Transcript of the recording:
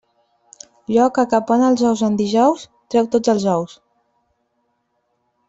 Lloca que pon els ous en dijous, treu tots els ous.